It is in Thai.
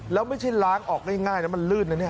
แล้วไม่ใช่ล้างออกง่ายนะมันลื่นนะเนี่ย